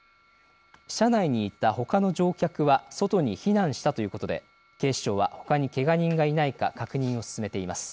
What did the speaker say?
車内にいたほかの乗客は外に避難したということで警視庁はほかにけが人がいないか確認を進めています。